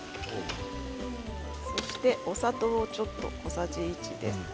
そして、お砂糖ちょっと小さじ１です。